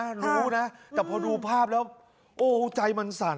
รู้นะแต่พอดูภาพแล้วโอ้ใจมันสั่น